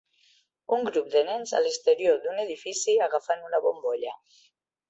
un grup de nens a l'exterior d'un edifici agafant una bombolla.